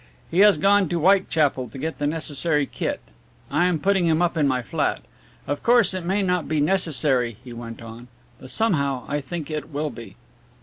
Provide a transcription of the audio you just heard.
He has gone to Whitechapel to get the necessary kit. I am putting him up in my flat. Of course, it may not be necessary," he went on, "but somehow I think it will be."